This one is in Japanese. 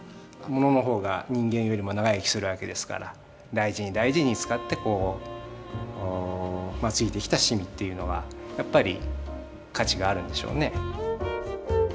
ものの方が人間よりも長生きする訳ですから大事に大事に使ってついてきた染みというのはやっぱり価値があるんでしょうね。